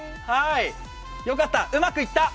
よかった、うまくいった。